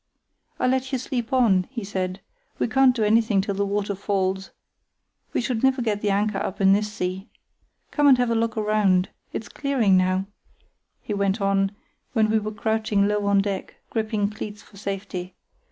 "I let you sleep on," he said; "we can't do anything till the water falls. We should never get the anchor up in this sea. Come and have a look round. It's clearing now," he went on, when we were crouching low on deck, gripping cleats for safety.